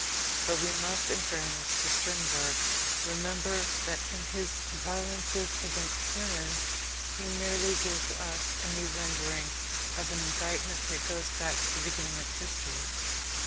But we must, in fairness to Strindberg, remember that in his violences against women he merely gives us a new rendering of an indictment that goes back to the beginning of history.